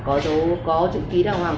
có dấu có chữ ký đàng hoàng